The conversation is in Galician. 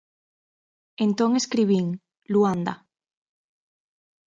Entón escribín 'Luanda'.